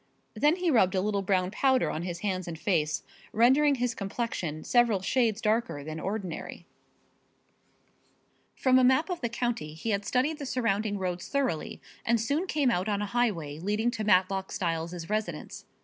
Then he rubbed a little brown powder on his hands and face, rendering his complexion several shades darker than ordinary, From a map of the county he had studied the surrounding roads thoroughly, and soon came out on a highway leading to Matlock Styles' residence.